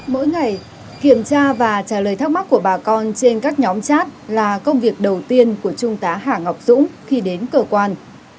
mỗi ngày kiểm tra và trả lời thắc mắc của bà con trên các nhóm chat là công việc đầu tiên của trung tá hà ngọc dũng khi đến cơ quan